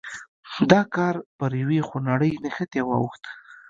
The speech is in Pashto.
دا کار پر یوې خونړۍ نښتې واوښت.